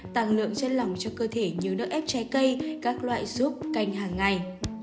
tăng lượng chất lòng cho cơ thể như nước ép trái cây các loại súp canh hàng ngày